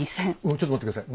ちょっと待って下さい。